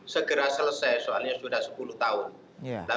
segera selesai soalnya sudah sepuluh tahun